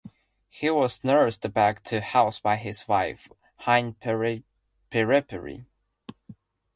He was nursed back to health by his wife Hinepiripiri.